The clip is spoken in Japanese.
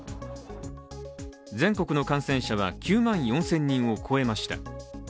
全国の感染者は９万４０００人を超えました。